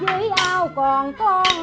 dưới ao còn con